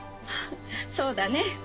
そうだね」。